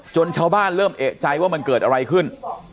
ชาวบ้านเริ่มเอกใจว่ามันเกิดอะไรขึ้น